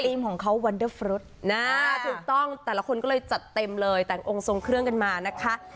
ของเขาวันเดอร์ฟรุดนะถูกต้องแต่ละคนก็เลยจัดเต็มเลยแต่งองค์ทรงเครื่องกันมานะคะ